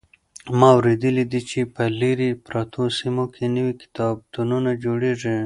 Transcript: ما اورېدلي دي چې په لرې پرتو سیمو کې نوي کتابتونونه جوړېږي.